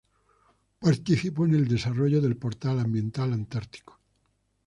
Participó en el desarrollo del Portal Ambiental antártico.